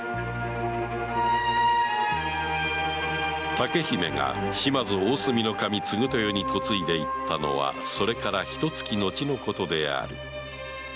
竹姫が島津大隅守継豊に嫁いでいったのはそれから一月後のことである